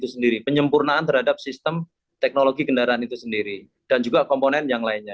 itu sendiri penyempurnaan terhadap sistem teknologi kendaraan itu sendiri dan juga komponen yang lainnya